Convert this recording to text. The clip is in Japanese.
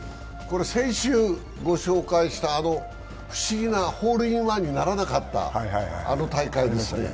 先週ご紹介した不思議な、ホールインワンにならなかったあの大会ですね。